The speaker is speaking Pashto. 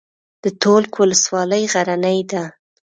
د تولک ولسوالۍ غرنۍ ده